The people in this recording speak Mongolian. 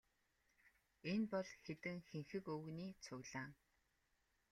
Энэ бол хэдэн хэнхэг өвгөний цуглаан.